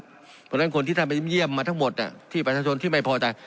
เพราะฉะนั้นคนที่ท่านไปเยี่ยมมาทั้งหมดที่ประชาชนที่ไม่พอใจ